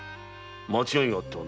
間違いがあってはならん。